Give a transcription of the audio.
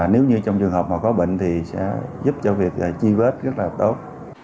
nếu như trong trường hợp mà có bệnh thì sẽ giúp cho việc truy vết rất là tốt